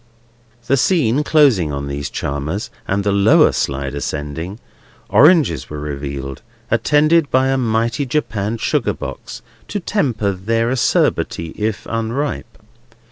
The scene closing on these charmers, and the lower slide ascending, oranges were revealed, attended by a mighty japanned sugar box, to temper their acerbity if unripe.